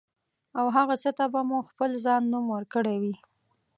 او هغه څه ته به مو خپل ځان نوم ورکړی وي.